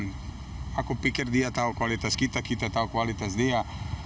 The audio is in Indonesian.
dan aku pikir dia tahu kualitas kita kita tahu kualitas dia